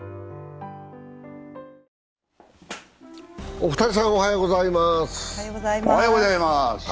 お二人さん、おはようございます。